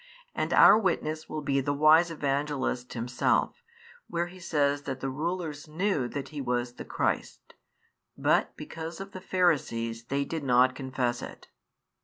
And our witness will be the wise Evangelist himself, where he says that the rulers knew that He was the Christ, hut hecause of the Pharisees they did not confess it.